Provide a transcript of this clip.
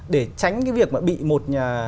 để tránh cái việc mà bị một nhà